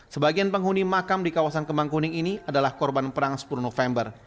sebagian penghuni makam di kawasan kemangkuning ini adalah korban perang sepuluh november